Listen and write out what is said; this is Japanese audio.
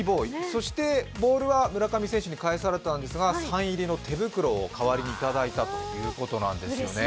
そしてボールは村上選手に返されたんですがサイン入りの手袋を代わりにいただいたということなんですよね。